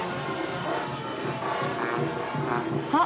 ・あっ！